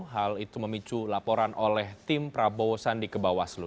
hal itu memicu laporan oleh tim prabowo sandi kebawaslu